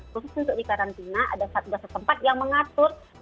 khusus untuk di karantina ada satgas setempat yang mengatur